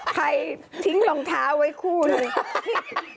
ทิ้งรองเท้าไว้คู่หนึ่ง